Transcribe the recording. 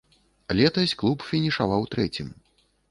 Летась клуб фінішаваў трэцім.